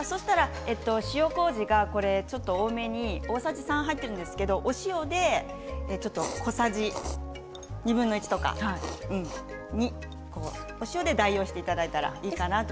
塩こうじが多めに大さじ３入っているんですがお塩で小さじ２分の１とかお塩で代用していただいたらいいかなと。